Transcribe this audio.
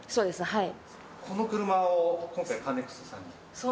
はい